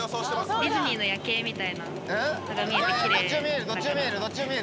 ディズニーの夜景みたいなやつが見えて、きれいな感じ。